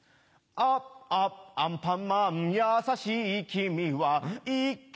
ああアンパンマンやさしい君はいけ！